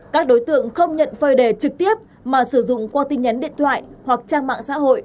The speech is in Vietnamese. các đối tượng không nhận phơi đề trực tiếp mà sử dụng qua tin nhắn điện thoại hoặc trang mạng xã hội